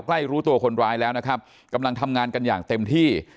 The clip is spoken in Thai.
ใกล้รู้ตัวคนร้ายแล้วนะครับกำลังทำงานกันอย่างเต็มที่